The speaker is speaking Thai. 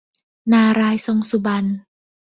นารายณ์ทรงสุบรรณ